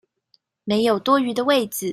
沒有多餘的位子